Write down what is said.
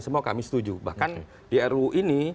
semua kami setuju bahkan di ru ini